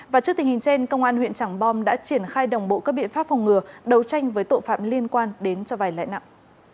và trước tình hình trên công an huyện trảng bom đã triển khai đồng bộ các biện pháp phòng ngừa đấu tranh với tội phạm liên quan đến cho vài lẽ nặng